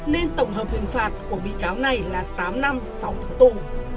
nên tổng hợp hình phạt của bị cáo này là tám năm sáu tháng tù